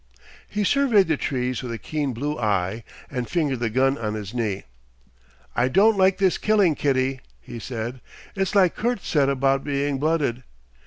He surveyed the trees with a keen blue eye and fingered the gun on his knee. "I don't like this killing, Kitty," he said. "It's like Kurt said about being blooded.